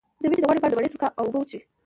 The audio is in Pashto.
د وینې د غوړ لپاره د مڼې سرکه او اوبه وڅښئ